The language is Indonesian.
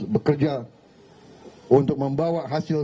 bekerja untuk membawa hasil